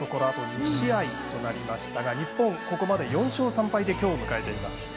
あと２試合となりましたが日本、ここまで４勝３敗できょうを迎えています。